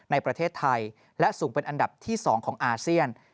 ในประเทศไทยและสูงเป็นอันดับที่๒ของอาเซียน